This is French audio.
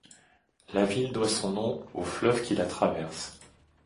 La ville doit son nom au fleuve qui la traverse.